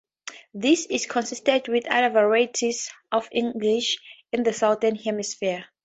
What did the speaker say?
This is consistent with other varieties of English in the southern hemisphere.